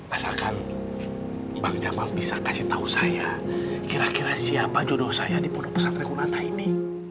asalkan bang jamal bisa kasih tahu saya kira kira siapa jodoh saya di pondok pesantren kunata ini